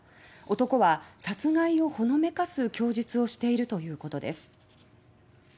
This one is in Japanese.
男は殺害をほのめかす供述をしているということです。